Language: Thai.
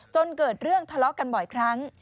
จนเกิดเรื่องทะเลาะกันบ่อยครั้ง